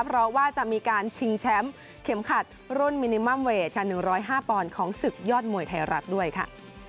เพราะว่าจะมีการชิงแชมป์เข็มขัดรุ่นมินิมัมเวทค่ะ๑๐๕ปอนด์ของศึกยอดมวยไทยรัฐด้วยค่ะ